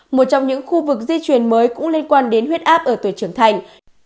một trong những khu vực di truyền mới cũng liên quan đến huyết áp ở tuổi trưởng thành